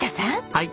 はい。